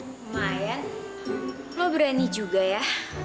lumayan mah berani juga ya